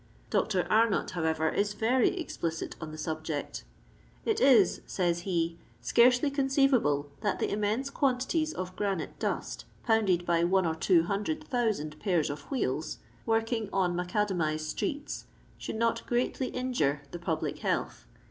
Dr. Amott, however, is very explicit on the subject •* It is," says be, " scareely conceivable that the immense quantities of granite dust, pounded by one or two hundred thousand pairs of wheels (I) working on macadamized streets, should not greatly injure the public health.